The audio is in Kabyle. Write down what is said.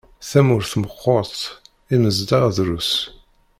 Tamurt meqqert, imezdaɣ drus.